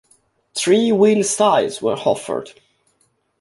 Three wheel styles were offered.